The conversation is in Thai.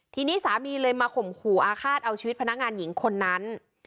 ทีนี้สามีเลยมาข่มขู่อาฆาตเอาชีวิตพนักงานหญิงคนนั้น